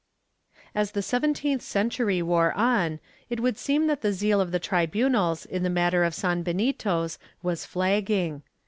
As the seventeenth century wore on, it would seem that the zeal of the tribunals in the matter of sanbenitos was flagging.